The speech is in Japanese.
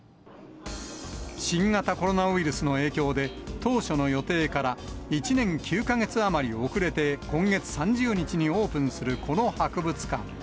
新型コロナウイルスの影響で、当初の予定から１年９か月余り遅れて、今月３０日にオープンするこの博物館。